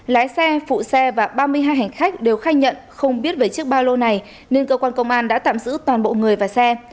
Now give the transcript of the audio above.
lái xe phụ xe và ba mươi hai hành khách đều khai nhận không biết về chiếc ba lô này nên cơ quan công an đã tạm giữ toàn bộ người và xe